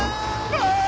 ああ！